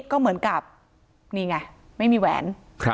ก็เหมือนกับนี่ไงไม่มีแหวน